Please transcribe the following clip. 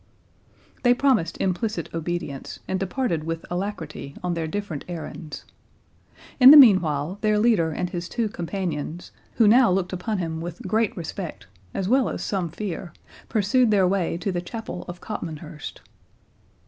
They promised implicit obedience, and departed with alacrity on their different errands. In the meanwhile, their leader and his two companions, who now looked upon him with great respect, as well as some fear, pursued their way to the Chapel of Copmanhurst.